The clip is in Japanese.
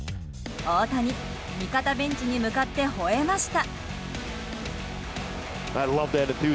大谷、味方ベンチに向かってほえました。